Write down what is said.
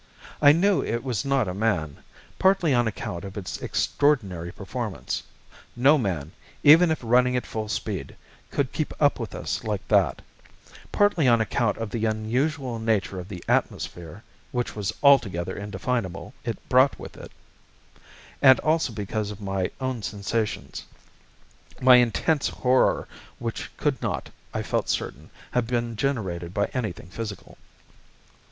I knew it was not a man, partly on account of its extraordinary performance no man, even if running at full speed, could keep up with us like that; partly on account of the unusual nature of the atmosphere which was altogether indefinable it brought with it; and also because of my own sensations my intense horror which could not, I felt certain, have been generated by anything physical.